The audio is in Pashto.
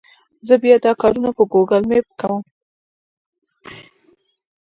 زه بیا دا کارونه په ګوګل مېپ کوم.